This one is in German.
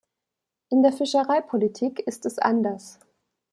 In der Fischereipolitik ist es anders.